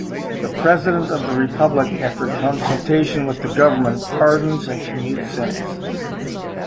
The President of the Republic, after consultation with the Government, pardons and commutes sentences.